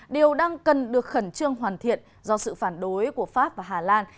điều đang cần được khẩn trương hoàn thiện do sự phản đối của pháp và hà lan